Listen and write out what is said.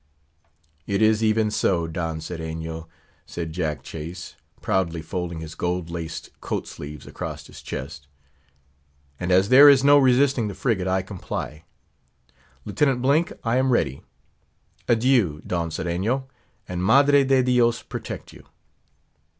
"It is even so, Don Sereno," said Jack Chase, proudly folding his gold laced coat sleeves across his chest—"and as there is no resisting the frigate, I comply.—Lieutenant Blink, I am ready. Adieu! Don Sereno, and Madre de Dios protect you?